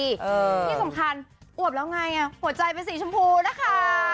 ที่สำคัญอวบแล้วไงหัวใจเป็นสีชมพูนะคะ